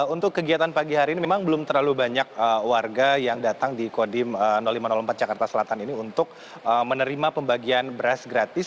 untuk kegiatan pagi hari ini memang belum terlalu banyak warga yang datang di kodim lima ratus empat jakarta selatan ini untuk menerima pembagian beras gratis